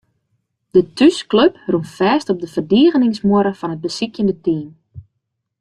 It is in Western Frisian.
De thúsklup rûn fêst op de ferdigeningsmuorre fan it besykjende team.